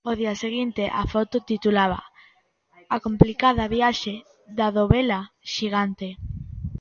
O día seguinte a foto titulaba: "A complicada viaxe da dovela xigante".